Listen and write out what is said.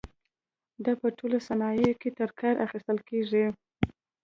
دا په ټولو صنایعو کې ترې کار اخیستل کېږي.